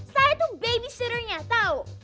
saya tuh babysitternya tau